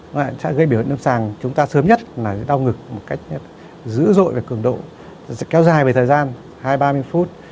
nó sẽ gây biểu hiện nâng sàng chúng ta sớm nhất là đau ngực một cách dữ dội và cường độ sẽ kéo dài về thời gian hai ba mươi phút